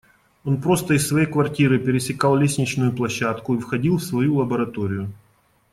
Он просто из своей квартиры пересекал лестничную площадку и входил в свою лабораторию.